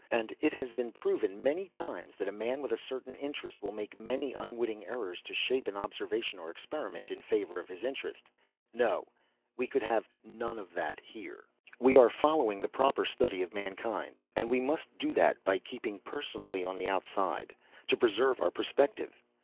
And it has been proved many times that a man with a certain interest will make many unwitting errors to shape an observation or experiment in favor of his interest. No, we could have none of that here. "We are following the proper study of mankind and we must do that by keeping personally on the outside, to preserve our perspective.